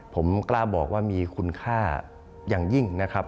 ผมกล้าบอกว่ามีคุณค่าอย่างยิ่งนะครับ